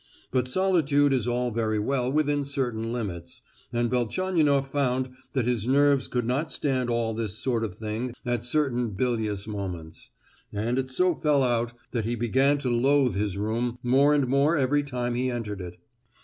But solitude is all very well within certain limits, and Velchaninoff found that his nerves could not stand all this sort of thing at certain bilious moments; and it so fell out that he began to loathe his room more and more every time he entered it.